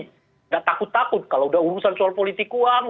tidak takut takut kalau udah urusan soal politik uang